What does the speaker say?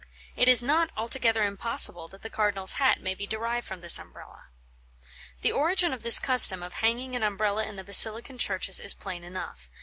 It is not, altogether impossible that the cardinal's hat may be derived from this Umbrella. The origin of this custom of hanging an Umbrella in the Basilican churches is plain enough.